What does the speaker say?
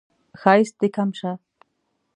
ښایست دې کم شه